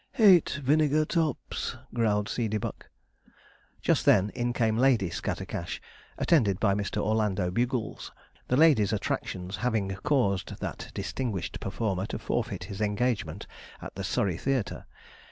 'Hate vinegar tops,' growled Seedeybuck. Just then, in came Lady Scattercash, attended by Mr. Orlando Bugles, the ladies' attractions having caused that distinguished performer to forfeit his engagement at the Surrey Theatre.